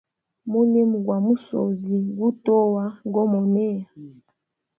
Mulimo gwa musozi gutowa gomoneya.